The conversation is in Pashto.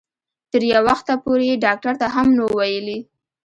تر یو وخته پورې یې ډاکټر ته هم نه وو ویلي.